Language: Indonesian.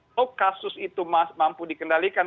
kalau kasus itu mampu dikendalikan